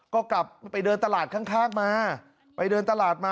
ก็ไปเดินตลาดข้างมา